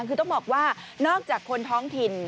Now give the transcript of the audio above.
คือต้องบอกว่านอกจากคนท้องถิ่น